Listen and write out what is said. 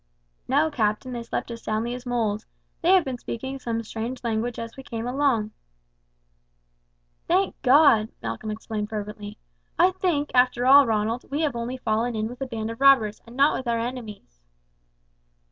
"No, captain, they slept as soundly as moles. They have been speaking some strange language as we came along." "Thank God!" Malcolm exclaimed fervently. "I think, after all, Ronald, we have only fallen in with a band of robbers, and not with our enemies."